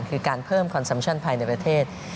คือการเพิ่มคอนซัมชั่นภายในประเทศ